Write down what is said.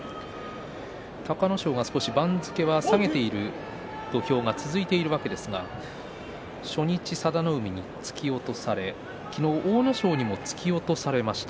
隆の勝が少し番付を下げている土俵が続いているわけですが初日、佐田の海に突き落とされ昨日、阿武咲にも突き落とされました。